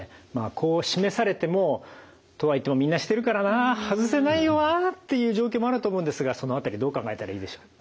こう示されてもとはいってもみんなしてるからな外せないよなっていう状況もあると思うんですがその辺りどう考えたらいいでしょう？